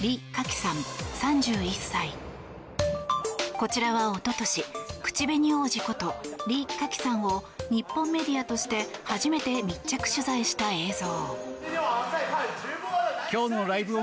こちらはおととし口紅王子ことリ・カキさんを日本メディアとして初めて密着取材した映像。